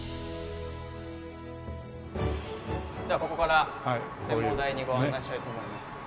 ではここから展望台にご案内したいと思います。